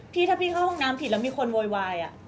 พี่ถ้าพี่เข้าห้องน้ำผิดแล้วมีคนโวยวาย